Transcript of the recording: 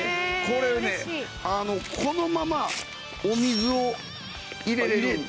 これねこのままお水を入れられる。